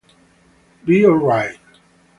Be Alright